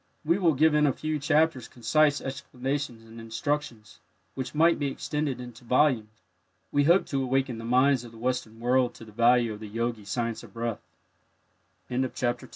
We will give in a few chapters concise explanations and instructions, which might be extended into volumes. We hope to awaken the minds of the Western world to the value of the Yogi "Science of Breath." CHAPTER III. THE E